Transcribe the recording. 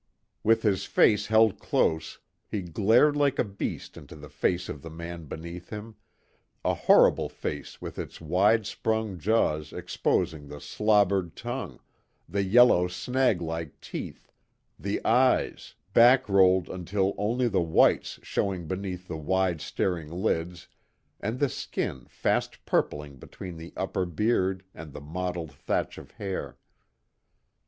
With his face held close, he glared like a beast into the face of the man beneath him a horrible face with its wide sprung jaws exposing the slobbered tongue, the yellow snag like teeth, the eyes, back rolled until only the whites showed between the wide staring lids, and the skin fast purpling between the upper beard and the mottled thatch of hair.